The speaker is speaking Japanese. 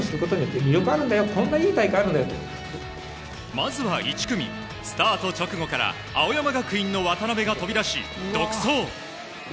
まずは１組、スタート直後から青山学院の渡辺が飛び出し独走。